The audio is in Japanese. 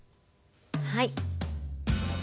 はい。